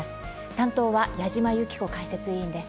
担当は矢島ゆき子解説委員です。